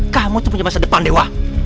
kamu tuh punya masa depan dewa